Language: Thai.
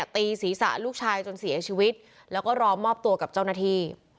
ตีศีรษะลูกชายจนเสียชีวิตแล้วก็รอมอบตัวกับเจ้าหน้าที่